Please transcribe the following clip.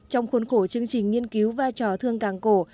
trong khuôn khổ chương trình nghiên cứu vai trò thương càng cổ